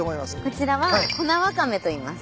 こちらは粉わかめといいます。